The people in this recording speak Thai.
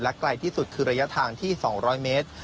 ไกลที่สุดคือระยะทางที่๒๐๐เมตร